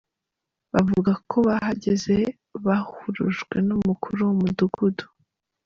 Bavuga ko bahageze bahurujwe n'umukuru w'umudugudu.